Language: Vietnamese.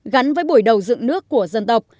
gắn với buổi đầu dựng nước của dân tộc